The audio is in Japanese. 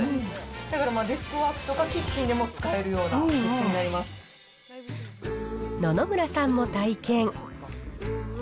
だからデスクワークとか、キッチンでも使えるようなグッズに野々村さんも体験。